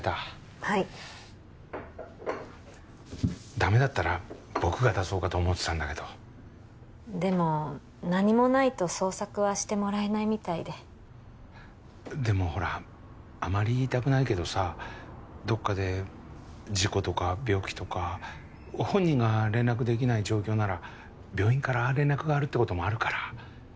はいダメだったら僕が出そうかと思ってたんだけどでも何もないと捜索はしてもらえないみたいででもほらあまり言いたくないけどさどっかで事故とか病気とか本人が連絡できない状況なら病院から連絡があるってこともあるから